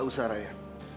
gak usah raya